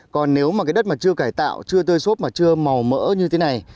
còn nếu mà cái đất mà chưa cải tạo chưa tơi xốp mà chưa màu mỡ như thế này